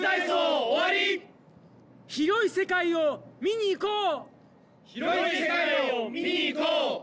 広い世界を見にいこう！